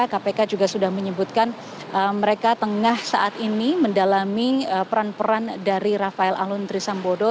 kpk juga sudah menyebutkan mereka tengah saat ini mendalami peran peran dari rafael alun trisambodo